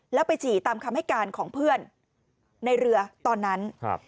แล้วไปฉี่ตามคำให้การของเพื่อนในเรือตอนนั้น